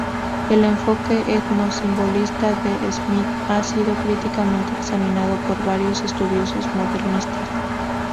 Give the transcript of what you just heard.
El enfoque etno-simbolista de Smith ha sido críticamente examinado por varios estudiosos modernistas.